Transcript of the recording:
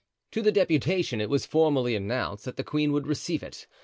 To the deputation it was formally announced that the queen would receive it.